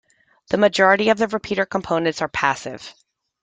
The majority of the repeater components are passive.